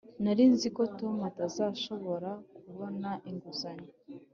nari nzi ko tom atazashobora kubona inguzanyo.